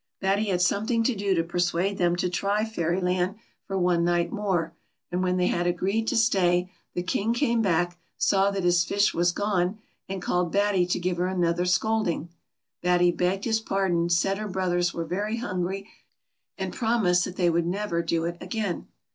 Batty had something to do to persuade them to try Fairyland for one night more ; and when they had agreed to stay, the King came back, saw that his fish was gone, and called Batty to give her another scolding. Batty begged his pardon, said her brothers were very hungry, and promised that they would never do it again.